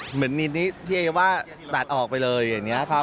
เหมือนนิดพี่เอว่าตัดออกไปเลยอย่างนี้ครับ